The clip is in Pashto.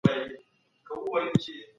نظري ټولنپوهنه د نويو حقایقو لاره پرانیزي.